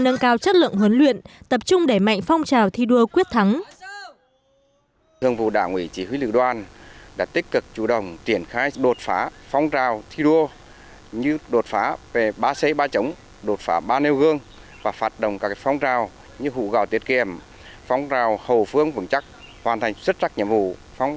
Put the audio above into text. trên thảo trường huấn luyện của lữ đoàn phòng hai trăm tám mươi ba cán bộ chiến sĩ đơn vị luôn nhận được sự quan tâm của chị em hội phụ nữ lữ đoàn bằng những bát nước mát lành và những lời ca tiếng hát động viên dưới thời tiết nắng nóng